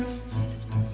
dek aku mau ke sana